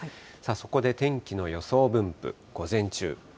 そこで天気の予想分布、午前中。